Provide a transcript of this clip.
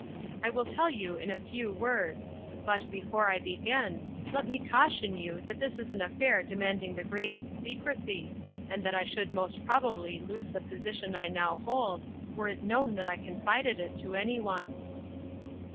"I will tell you in a few words; but, before I begin, let me caution you that this is an affair demanding the greatest secrecy, and that I should most probably lose the position I now hold, were it known that I confided it to any one."